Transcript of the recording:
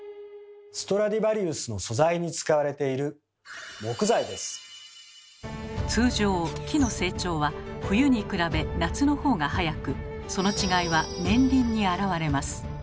ストラディヴァリウスの素材に使われている通常木の成長は冬に比べ夏のほうが速くその違いは年輪に現れます。